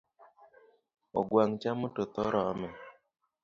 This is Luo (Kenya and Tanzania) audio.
Ogwang chamo to tho rome